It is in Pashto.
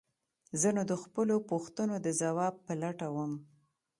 زه نو د خپلو پوښتنو د ځواب په لټه وم.